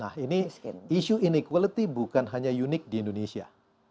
nah ini isu inequality bukan hanya unik di indonesia